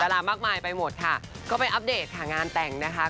รามากมายไปหมดค่ะก็ไปอัปเดตค่ะงานแต่งนะคะ